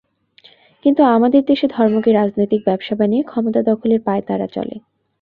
কিন্তু আমাদের দেশে ধর্মকে রাজনৈতিক ব্যবসা বানিয়ে ক্ষমতা দখলের পাঁয়তারা চলে।